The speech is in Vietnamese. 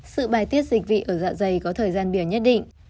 sự bài tiết dịch vị ở dạ dày có thời gian biểu nhất định